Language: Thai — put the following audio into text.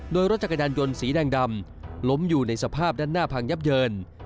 โดยรถจักรยานยนต์สีแดงดำล้มอยู่ในสภาพด้านหน้าพังยับเยิน